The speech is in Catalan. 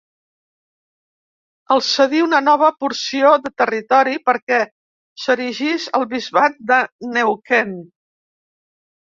El cedí una nova porció de territori perquè s'erigís el bisbat de Neuquén.